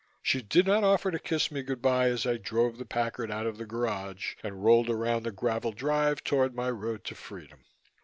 She did not offer to kiss me good bye as I drove the Packard out of the garage and rolled around the graveled drive toward my road to freedom.